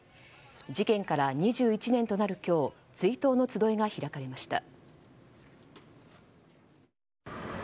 事件から２１年となる今日追悼の集いが開かれました。